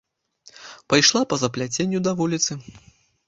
Пайшла па-за пляценню да вуліцы.